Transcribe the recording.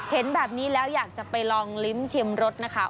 เห็นแบบนี้แล้วอยากจะไปลองลิ้มชิมรสนะคะ